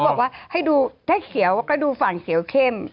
บอกว่าให้ดูถ้าเขียวก็ดูฝั่งเขียวเข้ม